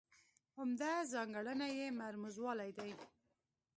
عمده ځانګړنه یې مرموزوالی دی.